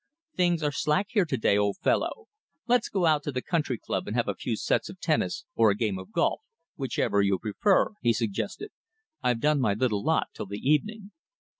"Things are slack here to day, old fellow. Let's go out to the Country Club and have a few sets of tennis or a game of golf, whichever you prefer," he suggested. "I've done my little lot till the evening."